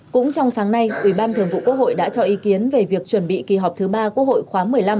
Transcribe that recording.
cũng trong sáng nay ủy ban thường vụ quốc hội đã cho ý kiến về việc chuẩn bị kỳ họp thứ ba quốc hội khóa một mươi năm